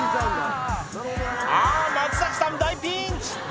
あぁ松坂さん大ピンチ！